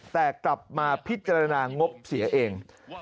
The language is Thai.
แต่กลับมาพิจารณางบเสียเอง